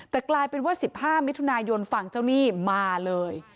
แต่กลายเป็นว่า๑๕มิถุนายนฝั่งเจ้าหนี้มาเลย